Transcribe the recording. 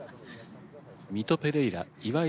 ミト・ペレイラ岩井